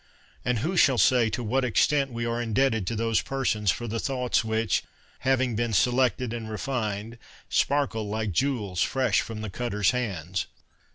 And who shall say to what extent we are indebted to those persons for the thoughts which, having been selected and refined, sparkle like jewels fresh from the cutter's hands